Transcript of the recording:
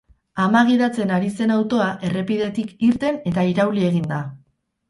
Ama gidatzen ari zen autoa errepidetik irten eta irauli egin da.